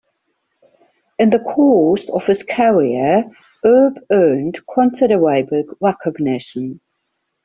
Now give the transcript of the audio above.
In the course of his career, Erb earned considerable recognition.